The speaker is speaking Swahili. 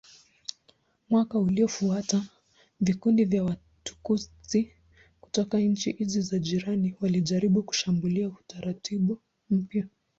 Mwaka uliofuata vikundi vya Watutsi kutoka nchi hizi za jirani walijaribu kushambulia utaratibu mpya.